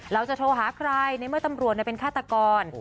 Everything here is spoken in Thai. เราจะโทรหาใครในเมื่อตำรวจเป็นฆาตกร